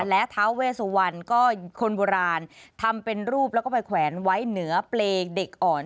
และท้าเวสุวรรณก็คนโบราณทำเป็นรูปแล้วก็ไปแขวนไว้เหนือเปรย์เด็กอ่อน